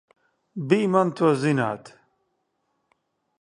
Bij man to zināt!